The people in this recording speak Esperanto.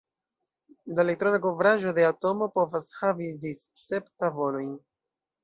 La elektrona kovraĵo de atomo povas havi ĝis sep tavolojn.